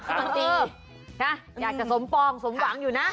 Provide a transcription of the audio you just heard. อ่ะอยากจะสมฟองสมหวังอยู่นะ